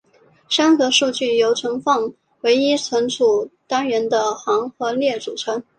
栅格数据由存放唯一值存储单元的行和列组成。